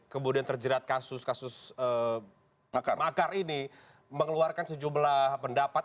kemudian terjerat kasus kasus makar ini mengeluarkan sejumlah pendapat